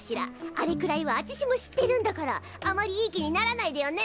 あれくらいはあちしも知ってるんだからあまりいい気にならないでよね。